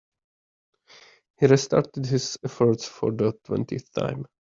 He restarted his efforts for the twentieth time.